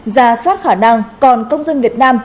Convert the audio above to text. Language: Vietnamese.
ra soát khả năng còn công dân việt nam